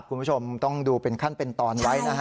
คุณผู้ชมต้องดูเป็นขั้นเป็นตอนไว้นะฮะ